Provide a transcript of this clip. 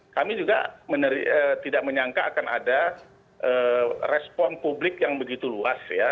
kami juga tidak menyangka akan ada respon publik yang begitu luas ya